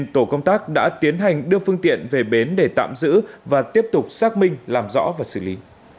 tổ công tác đã tiến hành đưa phương tiện về bến để tạm giữ và tiếp tục xác minh làm rõ và xử lý